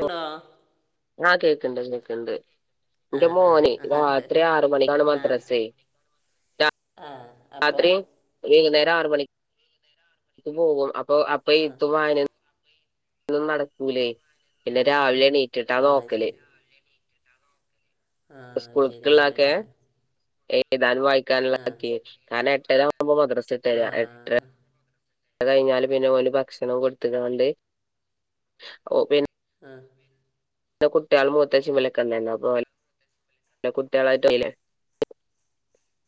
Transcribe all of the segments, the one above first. Hello ആഹ് കേക്കണ്ട് കേക്കണ്ട് ആ എന്റെ ആ മോനേ രാത്രി ആറ് മണിക്കാണ് ആ മദ്രസ്സേ രാ ആ അപ്പോൾ രാത്രിയോ വൈകുന്നേരം ആറ് മണിക്ക് ഇ പോകും അപ്പൊ അപ്പൊ ആ എഴുത്തും വായനയും ഒന്നു നടക്കൂലേ പിന്നെ രാവിലെയെണീ ആഹ് ശെരി സ്കൂളിക്കുള്ളതൊക്കെ എഴുതാനും ആ വായിക്കാനുള്ളതൊക്കെ കാരണം എട്ടര ആകുമ്പോ മദ്രസ്സ ആ എത്തണം എട്ടര അത് കഴിഞ്ഞാല് പിന്നെ ഓല് ഭക്ഷണം കൊടുത്തുക്കണോണ്ട് ഓ പി ആഹ് ഇവിടുത്തെ കുട്ടികൾ മൂത്ത ജിമ്മിലൊക്കെ ഉണ്ടാരുന്നു അപ്പൊ കുട്ടികളായിട്ട് അല്ലേ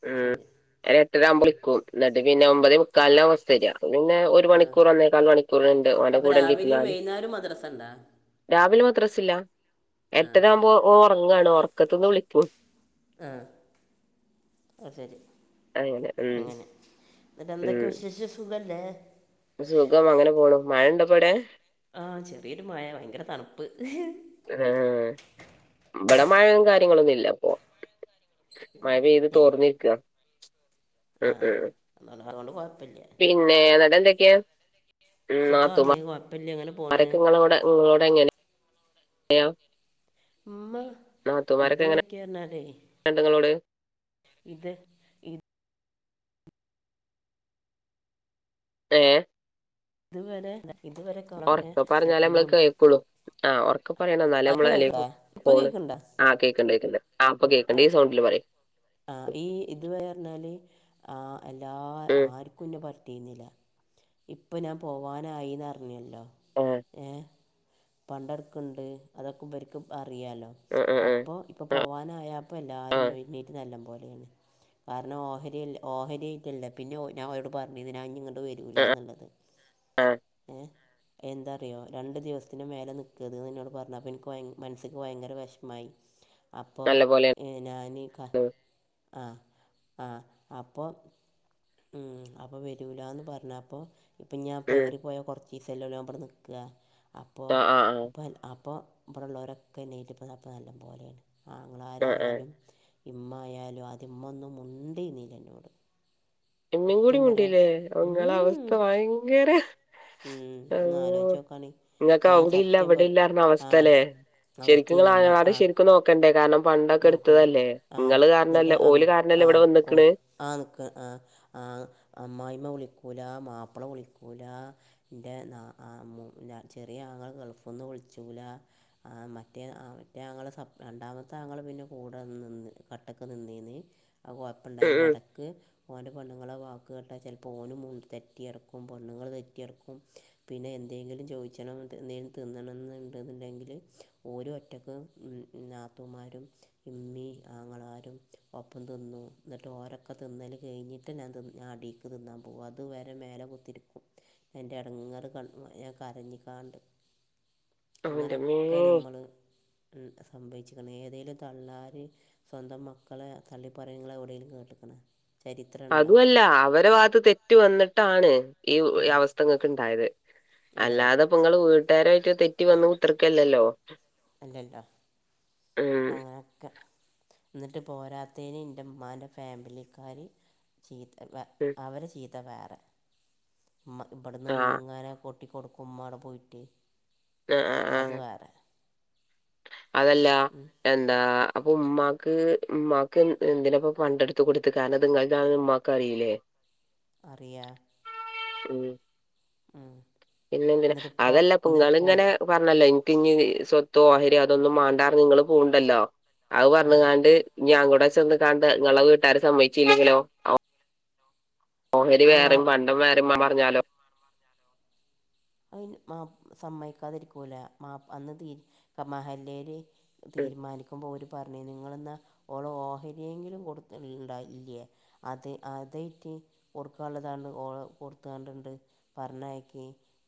ഉം ശരി ഒരു എട്ടര ആകുമ്പോൾ ഉം. വിളിക്കും എന്നിട്ട് പിന്നെ ഒമ്പതേ മുക്കാലിന് അവസ്ഥക്ക പിന്നെ ഒരു ആ മണിക്കൂർ ഒന്നേകാൽ മണിക്കൂറുണ്ട് അവടെ അപ്പോൾ കൂടേ രാവിലെയും വീട്ടിലാണ് വൈകുന്നേരവും മദ്രസ ഉണ്ടോ രാവിലെ മദ്രസില്ല ആ എട്ടര ആവുമ്പോ ഓ ഉറങ്ങാണ് ഉറക്കത്ത്ന്ന് വിളിക്കും ആഹ് അത് ശരി അങ്ങനെ ഉം അങ്ങനെ പിന്നെ എന്തൊക്കെ ഉം വിശേഷം സുഖവല്ലേ സുഖം അങ്ങനെ പോണു മഴ ഇണ്ടപ്പോവടെ ആഹ് ചെറിയൊരു മഴ ഭയങ്കര തണുപ്പ് ആഹ് ഇവിടെ മഴയും കാര്യങ്ങളൊന്നുംല്ല ഇപ്പൊ മഴപെയ്ത് തോർന്നിരിക്കുവാ ആഹ് നനവുള്ളത് കൊണ്ട് കുഴപ്പമില്ല പിന്നെ അവടെ എന്തൊക്കെയാ ഉം സുഖമാണ് കുഴപ്പമില്ല അങ്ങനെ പോണ് നാത്തൂന്മാര് ഒക്കെ നിങ്ങളോട് നിങ്ങളോട് എങ്ങനെയാ [unintelligible] ഉമ്മ ഇതു വയ്ക്കെയന്നാലേ രണ്ടങ്ങളോട് ഇത് ഏ ഇതുവരെല്ല ഇതുവരെ കാളൊക്കെ ഒറക്കെ പറഞ്ഞാലേ അമ്മള് ഇമ്മ കേൾക്കളു ആ ഒറക്കെ പറയണം എന്നാലേ ഇപ്പൊ നമ്മള് അല്ലേ കേക്കണ്ടേ കോ ഇപ്പൊ കോള് കേക്കണ്ടാ ആ കേൾക്കണ്ട് കേൾക്കണ്ട് ആ ഇപ്പ ആ കേൾക്കണ്ട് ഈ സൗണ്ടില് പറി ആ ഈ ഇത് വരെ പറഞ്ഞാല് ആ എല്ലാ ഉം ആർക്കുംന്നെ പട്ടീന്നില ഇപ്പൊ ഞാൻ പോവാനായിന്ന്റിഞ്ഞല്ലോ ഏ എ പണ്ടടുക്ക്ണ്ട് അതൊക്കെ ഇബര്ക്ക് അറിയാലോ ആഹ് ആഹ് അപ്പോ ഇപ്പൊ ആഹ് ആഹ് പോവാനായാപ്പല്ലാരു ആഹ് നൊയ്മി നല്ല പോലേണ് കാരണം ഓഹരിയല് ഓഹരിയ്റ്റല്ല പിന്നെ ഓ ഞാൻ ഓലോട് പർഞ്ഞീന്ന് ഞാൻ ഇങ്ങട്ട് വ ആഹ് രൂലാന്ന്ള്ളത് ആഹ് എ എന്താറിയോ രണ്ടു ദിവസത്തിനും മേല നിൽക്കത്ന് ഇന്നോട് പർന് അപ്പ ഇൻക്ക് വയ് മനസ്സിക്ക് ഭയങ്കര വെഷ്മായി അപ്പൊ നല്ല പോലെയാണ് ഈ ഞാന് ക ഉം അ അ അപ്പം ഉം അപ്പൊ വരൂലാന്ന് പർനാപ്പൊ ഇപ്പം ഞാൻ പ്പൊ ഏറിപ്പോയാ കുറച്ചീസം എല്ലൊല ഞാൻ ഇവടെ നിക്ക അപ്പൊ ആഹ് ആഹ് ആഹ് അപ്പൊൻ അപ്പൊ ഇവിടെള്ളോരൊക്കെ നെയറ്റ് ഇപ്പ അപ്പ നല്ല പോലെയാണ് ആഹ് ആഹ് ആങ്ങളരായാലും ഇമ്മായാലും അദ്യമ്മൊന്നും മുണ്ടേനിലന്നോട് ഇമ്മിം കൂടി മുണ്ടീലേ ഇങ്ങള അവസ്ഥ ഉം വയങ്കരെ ഉം. ഒന്ന് അവ് ആലോചിച്ച് നോക്കാണേ. ഇങ്ങക്ക് ഞാൻ അവ്ടില്ല സത്യം പ ഇവടില്ലാർന്ന ആ അവസ്ഥല്ലേ അവസ്ഥയും ശരിക്ക്ങ്ങളെ നമ്മ ആ ആങ്ങളാര് ശരിക്കും നോക് ക്കണ്ടേ കാരണം പണ്ടൊക്കെ നോക്കണ്ടേ എടുത്തതല്ലേ ആ നിങ്ങള് കാരണംല്ലേ ഓല് കാരണല്ലേ ഇവിടെ വന്നിക്കണ് ആഹ് നിൽക്ക ആഹ് ആഹ് അമ്മായിമ്മ വിളിക്കൂല മാപ്പിള വിളിക്കൂല ഇന്റെ ന അ മു ന ചെറിയ ആങ്ങള ഗൾഫ്ന്ന് വുള്ച്ചൂല ആ മറ്റേ അ മറ്റേ ആങ്ങള സപ് രണ്ടാമത് താങ്ങള പിന്നെ കൂടെ നിന്ന് കട്ടക്ക് നിന്നീന്ന് ആ ഉം കുഴപ്പണ്ടായില ഉം ഇട ക്ക് ഓന്റെ പെണ്ണ്ങ്ങളെ വാക്ക് കേട്ടാ ചെലപ്പോ ഓന് മു തെറ്റിെയടക്കും പൊണ്ണ്ങ്ങൾ തെറ്റിയടക്കും പിന്നെ എന്തെങ്കിലും ചോയ്ച്ചണം എന്തെങ്കിലും തിന്നണംന്ന്ണ്ട്ന്ന്ണ്ടക്കില് ഓര് ഒറ്റക് നാത്തൂമാരും ഇമ്മി ആങ്ങളാരും ഒപ്പം തിന്നും എന്നിട്ട് ഓര ഒക്കെ തിന്നൽ കഴിഞ്ഞിട്ട് ഞാൻ തി ഞാൻ അടിക്ക് തിന്നാൻ പോവ അത് വരെ മേല കുത്തിരിക്കും എന്റെ എടങ്ങങ്ങറ് കണ് ഞാൻ കരഞ്ഞിക്കാണ്ട് അങ്ങനൊക്കെ അവന്റെമ്മേ നമ്മൾ ഉം സംഭവിച് ! ! ! ! ! ! ! ! ! ! അതുവല്ല അവരെ വാത്ത് തെറ്റ് വന്നിട്ടാണ് ഈ അവസ്ഥങ്ങക്ക് ഇണ്ടായത് ഉണ്ടായത് അല്ലാതെപ്പെങ്ങള് വീട്ടാരായിട്ട് തെറ്റി വന്ന് കുത്തർക്കല്ലല്ലോ അല്ലല്ലോ അങ്ങനൊക്കെ ഇന്നട്ട് പോരാത്തേന് ഇന്റെമ്മാന്റെ ഫാമിലിക്കാർ ചീത്ത വ [unintelligible] അവരെ ചീത്ത വേറെ ഇമ്മ ഇവിടെന്ന് ആഹ് ഇങ്ങനെ കൊട്ടി കൊടുക്കും ഇമ്മഅവിടെ പോയിട്ട് ആഹ് ആഹ് അത് ആഹ് വേറെ അതല്ല എന്താ അപ്പൊ ഉമ്മാക്ക് ഉമ്മാക്ക് എന്തിനപ്പ പണ്ടെടുത്ത് കൊടുത്ത് കാരണത് ഇങ്ങൾതാണ് ഇമ്മാ കറീലേ അറിയാ ഉം പിന്നെന്തിന എന്നിട്ടിപ്പോൾ അതല്ല എന്നിട്ടിപ്പോൾ പങ്ങള്ങ്ങനെ ഒരു പറഞ്ഞല്ലോ ഇൻക്കിഞ്ഞി സ്വത്തോ ഓഹരിയോ അതൊന്നും മാണ്ടാ അർന് ഇങ്ങള് പോവ്ണ്ടല്ലോ അത് ആ പർഞ്കാണ്ട് ഇഞ്ഞി അവടെ ചെന്ന് കാണ്ട് ഇങ്ങളെ വീട്ടാര് സമ്മച്ചില്ലെങ്കിലോ ഓ ഓഹരി അതിന് വേറെയും പണ്ടം വേറിം പർഞ്ഞാലോ അയ്ന് മാപ് സമ്മയ്ക്കാതിരിക്കൂല മാപ് അന്ന് തീ ക മഹല്ലേര് ഉം തീര്മാനിക്കുമ്പോ ഓര് പർഞ്ഞീന്ന് ഇങ്ങള്ന്നാ ഓളോ ഓഹരിയെങ്കിലും കൊടുത്ത് ണ്ടാല്ല്യേ അത് അതേയ്ട്ട് കൊട്ക്കാൻള്ളതാണ്ട് ഓള് കൊട്ത്താണ്ട് ണ്ട് പർഞ്ഞയ്ക്കി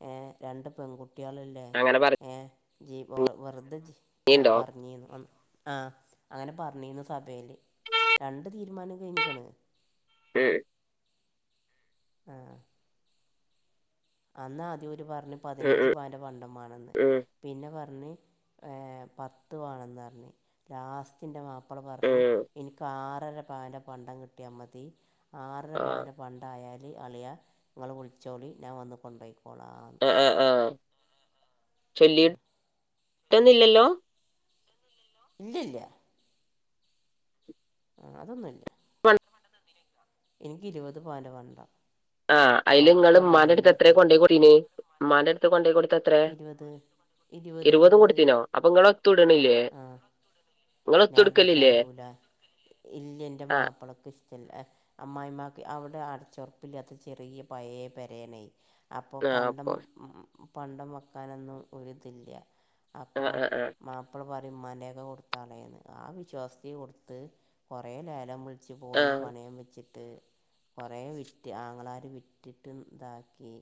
ഏഹ് രണ്ട് പെൺകുട്ട്യാള് ല്ലേ അങ്ങനെ ഏഹ് ജി വെ വെറ്തെ ജി ആഹ് പറഞ്ഞിണ്ടോ പർഞ്ഞീര്ന്ന് അ ആഹ് അങ്ങനെ പർഞ്ഞീന്നു സഭേല് രണ്ട് തീര്മാനം കയ്ഞ്ഞ്ക്ക്ണ് ഉം ആഹ് അന്ന ആദ്യം ഓര് പർഞ്ഞ് ഉം പതിനഞ്ച് ഉം പവന്റെ പണ്ടം മാണംന്ന് ഉം പിന്നെ പർഞ്ഞ് ഏഹ് പത്ത് വാണെന്നർഞ്ഞ് ലാസ്റ്റിൻ്റെ മാ പ്പള പർഞ്ഞ് ഉം ഇക്കാറര പവന്റെ പണ്ടം കിട്ട്യാ മതി ആറര ആ പവനം പണ്ടായാല് അളിയാ ഇങ്ങള് വിളിച്ചോളി ഞാൻ വന്ന് കൊണ്ടാെയ്ക്കോളാന്ന് ആഹ് ആഹ് ചൊല്ലിട്ടെന്നുല്ലല്ലോ ഇല്ല്യ ഇല്ല്യാ ആഹ് അതൊന്നുല്ല [inaudible] എനിക്ക് ഇരുപത് പവന്റെ പണ്ടാ ആഹ് അയ്ല് ഇങ്ങള് ഇമ്മാന്റെട്ത്ത് എത്രെ എടുത്തത് കൊണ്ടെയ്കൊടീന്യേ? ഇമ്മാന്റെട്ത് കൊണ്ടാേയ് കൊട്തെ ത്രേ ഇരുപത് ഇരുപത് ഇരുപതും ഇരുപത് കൊട്ത്തീനോ അപ്പൊ ങ്ങളെത്തും ഇട്ണ്ല്ലേ ഞാട് ഞാടൂലാ ഇല്ല്യ ഇൻ്റെ ആ മാപ്പളക്ക് ഇസ് റ്റല്ല അമ്മായ്മാക്ക് അവ്ടെ അടച്ചാെർപ്പ്ല്ലാത്ത ചെറിയ പയേ പെരേണേ അപ്പം ആ പണ്ടം അപ്പൊ പണ്ടം വെക്കാനൊന്നും ഒര്ത് ല്ല്യാ ആ അപ്പം ആ ആ മാപ് പ്പ്ള പറിം മ്മാന്റേക്കെ കൊട്ത്താളേന്ന് ആ വിശ്വാസത്തി കൊട്ത്ത് കൊറേ ലേലം വ്ൾ ച്ച് ആ പോയി പണയം വെച്ചിട്ട് കൊറേ വിറ്റ് ആങ്ങളാര് വിറ്റ്ട്ടും താക്കി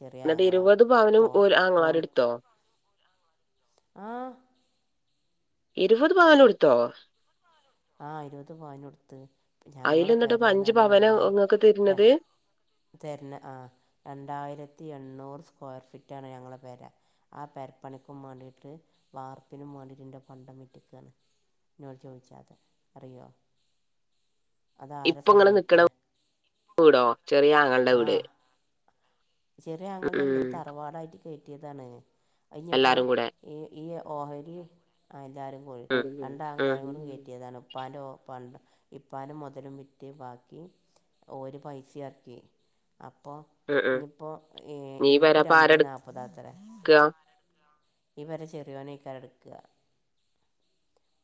ചെറ്യേ എന്നിട്ട് ആങ്ങളാ ഇരുപത് പവനും ഓര് ആങ്ങളാര്ട്ത്തോ? ആഹ് ഇരുപത് പവനുട്ത്തോ? ആഹ് ഇര്പത് പവനുട്ത്ത് പ് അയില് ഞങ്ങളെ എന്നിട്ട് ഇപ്പൊ പെരാന്ന് അഞ്ച് പർഞ്ഞാ പവനാ രണ്ടായിര് ഇങ്ങക്ക് തരുന്നത് ആഹ് തര്ണ് ആഹ് രണ്ടായിരത്തി എണ്ണൂറ് സ്ക്വാെയർ ഫീറ്റാണ് ഞങ്ങളെ പെരാ ആഹ് പെര്പ്പണിക്കും മാണ്ടീട്ട് വാർപ്പിനും മാണ്ടീട്ട് ഇന്റെ പണ്ടം വിറ്റെക്കാണ് ഇന്നോട് ചോയ്ചാതെ അറിയോ അതാരാ ഇപ്പൊ ഇങ്ങള് നിക്കണ സമ്മയ്ക്യാ വീടോ ചെറിയ ആങ്ങളന്റെ വീട് ആഹ് ചെറ്യേ ഉം ആങ്ങൾന്റല്ലത് ഇത് ഉം. തറവാടായിട്ട് കേറ്റ്യെതാണ് അയ്ഞ്ഞ്പ്പോ എല്ലാരും കൂടെ ഈ ഈ ഓഹരി അല്ലാരും പോയ് ഉം ഉം രണ്ടാങ്ങളാരോടും ഉം അതാണ് ഉപ്പാന്റെ ഓ പണ്ട് ഇപ്പാന്റെ മൊതലും വിറ്റ് ബാക്കി ഓര് പൈസിം എർക്കി അപ്പോ ഉം ഇഞ്ഞ്പ്പോ ഏ നീ ഇനിക്ക് വരാപ്പ രണ്ടേ ആരെടുക്കുക നാൽപത ത്രെ ഈ പെര ചെറ്യോനെയ്കാരംട്ക്കാ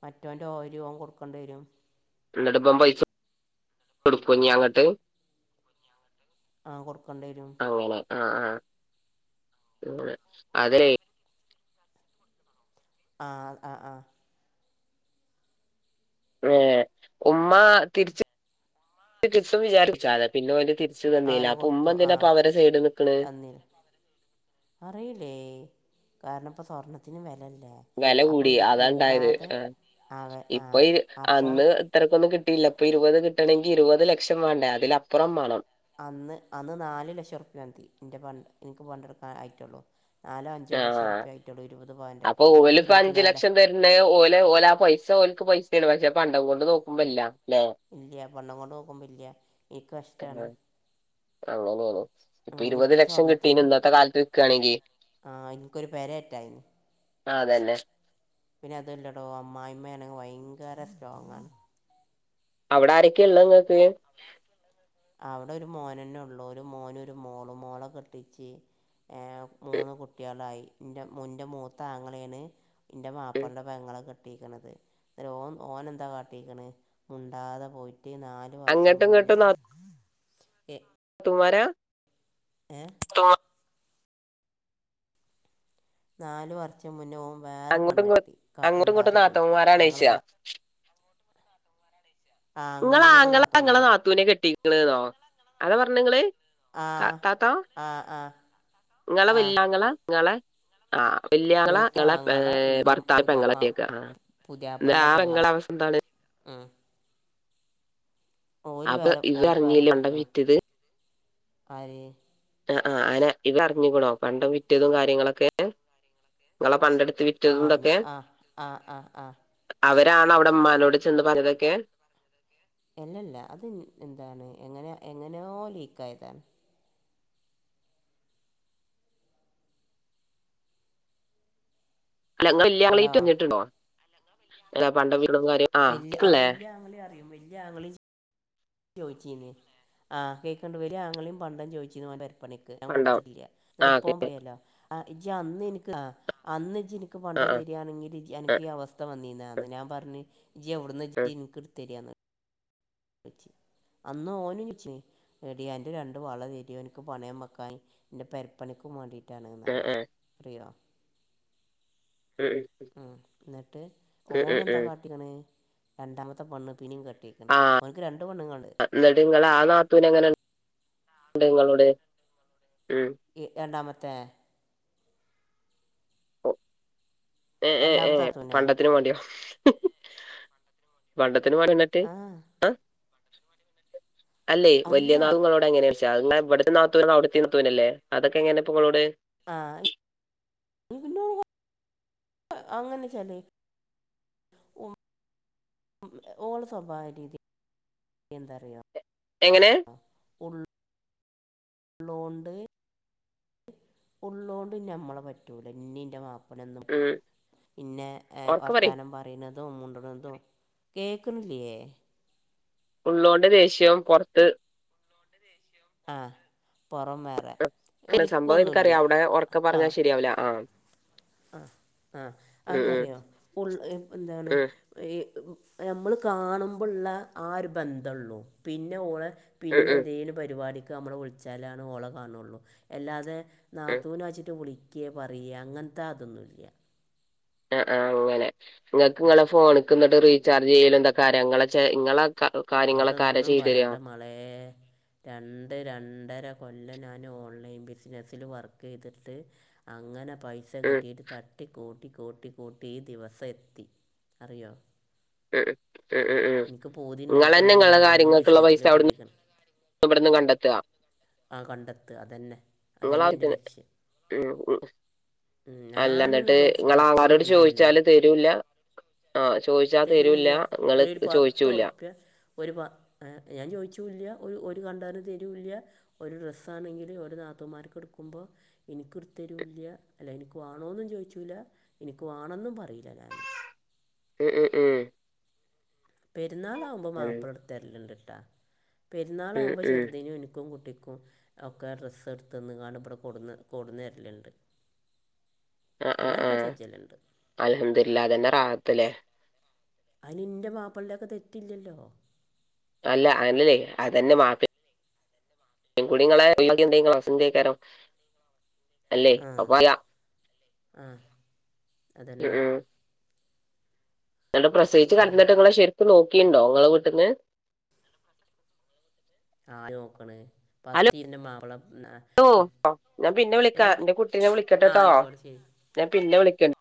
മറ്റോന്റെ ഓഹരി ഓൻ കൊട്ക്കെണ്ടേരും ഇന്ന്‌ട്ട്പ്പോൻ പൈസ ട്കാേഞ്ഞി അങ്ങട്ട് ആഹ് കൊട്ക്കെണ്ടെരും ങ്ങനെ ആഹ് ആഹ് അതേ ആഹ് ആഹ് ആഹ് ഏഹ് ഉമ്മ തിര്ച്ച് കിട്ടും വിജാര്ച്ചാണ് പിന്നോല് തിര് ച്ച് തന്നീലാ അപ്പൊ ഉമ്മ എന്തിനാപ്പൊ അവരെ സൈഡ് നിക്ക്ണെ? ഉം അറിയീലെ കാര്ണം പ്പം സ്വർണത്തിന് വെലെല്ലേ വെല കൂടി അതാണ്ടായത് ആഹ് അവ ആ ഇപ്പൊ ഈ അപ്പോൾ അന്ന് ഇത്രക്കൊന്നും കിട്ടീല്ല ഇപ്പൊ ഇരുപത് കിട്ടണെങ്കിൽ ഇരുപത് ലക്ഷം വേണ്ടേ അതിലപ്പൊറം വേണം അന്ന് അന്ന് നാല് ലക്ഷംഉർപ്യ മതി ഇൻ്റെ പണ്ട് എനിക്ക് പണ്ട എടുക്കാൻ ആയിറ്റുള്ളൂ നാലോ ആ അഞ്ചോലെഷോർപ്യ ആയിട്ടൊള്ളൂ ഇരുപത് പവൻ്റെ അന്ന് ഇരുപത്തിനാലാ പിന്നെ ഓലെ ഓല ആ പൈസ ഓലക്ക് പൈസെണ് പക്ഷെ പണ്ടം കൊണ്ട് നോക്കുമ്പല്ല ഇല്ല്യ പണ്ണം കൊണ്ട് നോക്കുമ്പോ ഇല്ല്യ ഇൻക് നഷ്ട്ടാണ് അങ്ങനെണ് ഇപ്പൊ ഇരുപത് ഇനിയിപ്പോൾ ഈ ലക്ഷം കിട്ടീന് സ്വർണത്തിൻ്റെ ഇന്നത്തെ കാലത്ത് നിക്കാണെങ്കിൽ ആ എനിക്കൊരു പെര ഇട്ടായിന് ആ അതന്നെ പിന്നെ അതല്ലടോ അമ്മായിമ്മേണെൻങ്കിൽ ഭയങ്കര സ്ട്രോങ്ആണ് അവിടെ ആരെക്കെഇളേങ്ങൾക്ക് അവിടെ ഒരു മോനന്നെ ഉള്ളു ഒരു മോന ഒരു മോളും മോള കെട്ടിച്ച് ഏ മൂന്ന് കുട്ട്യേളായി ഇൻ്റെ മൂത്താങ്ങളെണ് ഇന്റെ മാപ്പലെൻന്റെ പെങ്ങളെ കെട്ടീക്കണത് ഓൻ ഓനെന്താ കാട്ടീക്കണ മുണ്ടാതെ പോയിട്ട് നാല് അങ്ങട്ടും ഇങ്ങട്ടും ന എ തുംമാരാ ഏ സ്ട്രോങ്ങ നാലു വർഷം മുന്നേ ഓൻ വേറെ അങ്ങോട്ടും ഇങ്ങോ പെണ്ണെട്ടി അങ്ങോട്ടും ഇങ്ങോട്ടും മുണ്ടാതെ പോയിട്ട് നാത്തൂമാരാണ് ചോദിച്ച ഞങ്ങള്ബടെ ആ ഇങ്ങള അങ്ങോട്ടും ഇങ്ങോട്ടും ആങ്ങളെ ഇങ്ങളെ നാത്തൂന്മാരാ നാത്തൂവിനെ കെട്ടീ ക്ക്ണെന്നോ അതാ പറഞ്ഞ ഇങ്ങള് ആഹ ആ ആ ഇങ്ങളെ ആ വല്ലാങ്ങളാ ഇങ്ങളെ. ആഹ വല്ല്യാങ്ങള മൂത്ത ഇങ്ങളെ ഏ ആങ്ങള എൻ്റെ ഭർത്താവിന്റെ പുതിയ പെങ്ങളേ കെട്ടിയക്ക പുതിയാപ്പളൻ്റെ പെങ്ങളെ ല്ലാവങ്ങളവസ്ഥാണ് [unintelligible] ഉം ഓര് അപ്പൊ ഇവ വേറെഓര് വേറെ അറിഞ്ഞില്ലേ പണ്ടം പോയ്ക്ക്‌ണ് വിറ്റത് ആര് അ അ ആന ഇങ്ങളറിഞ്ക്ക്‌ണൊ പണ്ടം വിറ്റതും കാര്യങ്ങളൊക്കെ ഇങ്ങളെ പണ്ടട് ആഹ് അറിഞ് അ അ ആഹ് അവരാണൊ അവ്ടെമ്മാനോട് ചെന്ന് പറഞ്ഞതൊക്കെ അല്ലെല്ലാ അത് ന്താണ് എങ്ങന എങ്ങനെയോ ലീക്ക് ആയതാണ്. അല്ല ഹലോ ങ്ളില്ല്യാളെറ്റൊ അറിഞ്ഞിട്ടുണ്ടോ? അല്ല പണ്ടം വീടും കാര്യങ്ങ വല്ല്യ അങ്ങളേം അറിയും വല്ല്യാങ്ങളേം ചോയ്ചീന് അ കേക്ക്‌ണ്ട വല്ല്യാങ്ങളേം പണ്ടം ചോയ്ച്ചീന് ഓൻ പെരപണിക്ക് ക്ക്‌ പണ്ടം ഞാകൊട്ത്തിട്ടില്ല ആ ന്ന്ട്ട്പ്പോം കേക്ക്ണ്ട് പറയാല്ലോ അഇജ് അന്ന്നിക്ക്‌അ അന്ന്ജ്ന്ക്ക്‌ ഇക്ക് ആ പണ്ടം ആ തെരാണെങ്കില്ജ് ആ അനക്കീയവസ്ഥ വന്നീന്നാന്ന് നാ പറഞ് ജെവ്ട്ന്ന ജ്നിക്ക്‌ ഇട്തേരാന്ന് പ്പച്ചി അന്ന് ഓനും ചോയ്ചീന് എടി അന്റെ രണ്ട് വളതരോ ഇന്ക്ക്‌ പണയം വെക്കാന് ന്റെ പേരപ്പണിക്കും വാണ്ടിട്ടാണ് ആ റ്റാണ്ന്നറഞ് ആ ആ ആ അറിയോ ഉം ഉം മ് ന്ന്ട്ട് ഉം ഉം ഉം ഓനെന്താകാട്ട് കാട്ടീക്ക്‌ണ് രണ്ടാമത്തെ പണ്ണ്പ്പിനിം കെടട്ടീക്ക്‌ണ് ഓൻക്ക്‌ രണ്ട് പെണ്ണ്ങ്ങള്ണ്ട്. ന്നിട്ട്ങ്ങളെ ആ നാത്തുനെങ്ങന്ണ്ട് ഇങ്ങളോട് ഉം ഇ രണ്ടാമത്തെ എ എ എ രണ്ടാമത്തെ നാത്തൂനാ പണ്ടത്തിനുംവാണ്ടിയോ പണ്ടത്തിന് വാണ്ടിയൊന്നിട്ട് ആ ആഹ് അല്ലെയ് അല്ല വല്ല്യ നാത്തുങ്ങളോടെങ്ങനെ അത്ങ്ങനെ ഇവടത്തെ നാത്തൂനും അവ്ട്തേം നാത്തൂനല്ലേ അതൊക്കെങ്ങനെ ഇങ്ങളോട്? ആഹ് [unintelligible] അങ്ങനെ ചെല ഓ... ഉം ഓളെ സ്വഭാവ രീതി എന്തറിയോ എങ്ങനെ? ഉള്ള് ഉള്ളോണ്ട് ഉള്ളോണ്ട് ഞമ്മളെ പറ്റൂല ഇന്നേം ന്റെ മാപ്പളനേം ഓനെന്നുമൊറ്റും ഉം പിന്നേ ഒറക്കെ പറയ് വർത്താനം പറ പറയിണതും മുണ്ട്ണതും കേക്ക്‌ണില്ലേ... ഉള്ളോണ്ട് ദേഷ്യം പൊറത്ത് ആഹ് പൊറംവേറ ആഹ് സംഭവം ഇൻക്കറിയാ അവുടെ ഒറക്കപറഞ്ഞാ ശെരിയാവൂല ആഹ് അ അ അതെന്താറിയോ ഉൾഎപ്പെന്താണ് ഉം ഇ പൊഹൊ ഞമ്മള് കാണുമ്പള്ള ആ ഒരു ബന്തൊള്ളൂ പിന്നെ ഓലെ ഉം ഉം ഉം പിന്നന്തേലും പരിപാടിക്കമ്മള് വിളിച്ചാലാണ് ഓളെ കാണൊള്ളൂ.. അല്ലാതെ നാത്തൂനാച്ച് ട്ട് വിളിക്കെ പറയേ അങ്ങനത്താതൊന്നൂല്ല്യാ ആഹ് ആഹ് അങ്ങനെ ഇങ്ങക്ക്ങ്ങളെ ഫോണക്ക്ന്ന്ട്ട് റീചാർജെയ്യലുംതക്കാരാ ഇങ്ങളെ ചെ ഇങ്ങള ക കാര്യങ്ങളക്കാരാ അതൊന്നും ചെയ്തേരാ? പറയണ്ട മളേ.. രണ്ട് രണ്ടര കൊല്ലം നാന് ഓൺലൈൻ ബിസിനസ്സില് വർക്കെയ്തിട്ട് അങ്ങന പൈ പൈസ ഉം കിട്ടിട്ട് തട്ടി കൂട്ടി കൂട്ടി കൂട്ടി ഈ ദിവസം എത്തി അറിയോ മ്ഹ് മ് മ് എനിക്ക് മ് ഇങ്ങളെന്നെ ഇങ്ങളെ ക്ക കാര്യങ്ങക്ക്ള്ളപൈസവ്ട്ന്ന് [unintelligible] ഇവ്ട്ന്ന് കണ്ടെത്താ... ആഹ് കണ്ടെത്താ അതെന്നെ ഇങ്ങളെ അതന്നെന്റെ ആവശ്യത്തിന് ലക്ഷ്യം ഉം ഉം ഉം അല്ല ഞാനും ഇന്നട്ട് വിചാരിച്ച് ഇങ്ങളെ പടച്ചോൻ ആങ്ങളാരോട് വല്തല്ലേ ചോയിച്ചാല് തരൂല്ല ആഹ് ചോയിച്ചാ തരൂല്ല തരൂല്യ ഇങ്ങള് ഒരു ചോയിച്ചൂല്ല പത്തറുപ്പ്യ ഒരു പ ഹേ ഞാൻ ചോദിച്ചുല്ല ഒരു ഒരു പണ്ടാരം തീരുല്ല ഒരു ഡ്രസ്സ ആണെങ്കില് ഒരു നാത്തൂമാർക്ക് എടുക്കുമ്പോൾ എനിക്കു എടുത്തരുല്യ അല്ല എനിക്ക് വേണോന്നും ചോദിച്ചുല്ല എനക്ക് വേണെന്നും പറയുല്ല ഞാന് ഉം ഉം പെരുന്നാളാവകുമ്പോൾ ഉം മാപ്പിള എടു തരലണ്ട്ട്ടാ ഉം പെുന്നാളാവകുമ്പോ ഉം ചെറുതിനും എനിക്കും കുട്ടിക്കും ഒക്കെ ഡ്രസ്സ് എടുത്ത്ന്ന് കാണും ഇവിടെ കൊടുന്ന് കൊടന്നു വരലുണ്ട് അങ്ങനൊക്കെ ചെച്ചലുണ്ട് അൽഹംദുരില്ല അതന്നെ റാഹത്തല്ലേ അതിന്നിന്റെ മാപ്പിളി ഒക്കെ തെറ്റില്ലല്ലോ അല്ല അങ്ങനല്ലേ അതന്നെ മാപ്പി പെൺകുട്ടികെ എന്തെങ്കും അന്തക്കാരോ അല്ലേ ആ അപ്പല്ല ആ ഉ അതന്നെ ഉ എന്നിട്ട് പ്രസവിച്ച് അല്ലാ കടന്നിട്ട് ഇങ്ങളെ ശരിക്കും നോക്കിണ്ടോ നിങ്ങളെ വീട്ടിന്ന് ആ നോക്കണ് ഹലോ പത്തിന്റെ മാവള ഞാൻ പിന്നെ വിളിക്കാ എന്റെ കുട്ടീന ആ വിളിക്കട്ടെട്ടോ ആയിക്കോട്ടെ ശരി ഞാൻ പിന്നെ വിളിക്ക